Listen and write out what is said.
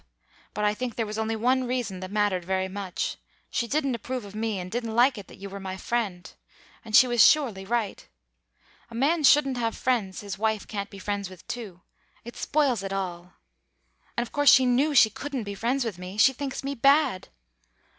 But I think there was only one reason that mattered very much. She didn't approve of me, and didn't like it that you were my friend. And she was surely right. A man shouldn't have friends his wife can't be friends with too; it spoils it all. And of course she knew she couldn't be friends with me; she thinks me bad.